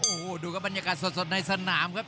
โอ้โหดูครับบรรยากาศสดในสนามครับ